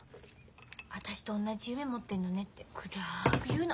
「私と同じ夢持ってんのね」って暗く言うの。